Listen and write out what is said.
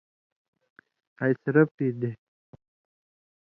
ہَئیسرَپِی دَے